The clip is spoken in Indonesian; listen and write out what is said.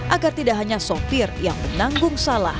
agar tidak hanya sopir yang menanggung salah